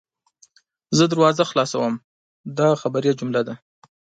زه دروازه خلاصوم – دا خبریه جمله ده.